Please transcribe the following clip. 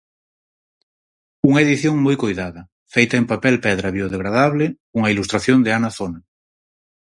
Unha edición moi coidada, feita en papel pedra biodegradable, cunha ilustración de Ana Zona.